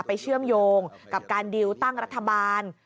เชื่อมโยงกับการดิวตั้งรัฐบาล